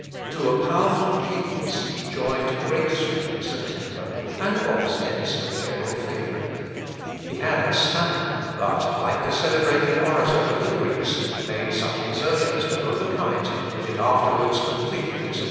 To a powerful genius he joined great sweetness of temper, and was hence a general favourite. He had a stammer, but, like the celebrated orator of the Greeks, made such exertions to overcome it, that it afterwards completely disappeared.